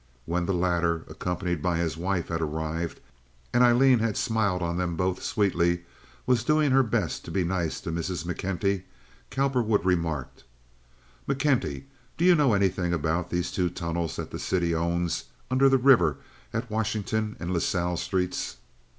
When the latter, accompanied by his wife, had arrived, and Aileen had smiled on them both sweetly, and was doing her best to be nice to Mrs. McKenty, Cowperwood remarked: "McKenty, do you know anything about these two tunnels that the city owns under the river at Washington and La Salle streets?"